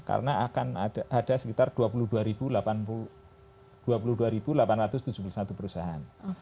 karena akan ada sekitar dua puluh dua delapan ratus tujuh puluh satu perusahaan